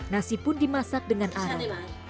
nasi pun dimasak dengan arang